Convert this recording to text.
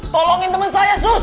tolongin temen saya sus